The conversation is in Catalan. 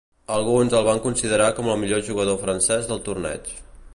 Alguns el van considerar com el millor jugador francès del Torneig.